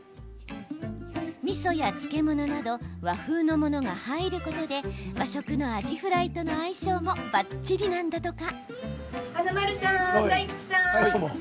みそや漬物など和風のものが入ることで和食のアジフライとの相性もばっちりなんだとか。